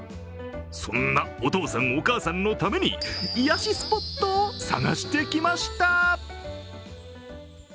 そんなお父さん、お母さんのために癒やしスポットを探してきました